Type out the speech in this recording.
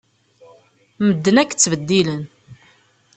Medden akk ttbeddilen.